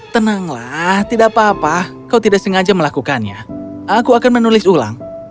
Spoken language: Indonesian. tenanglah tidak apa apa kau tidak sengaja melakukannya aku akan menulis ulang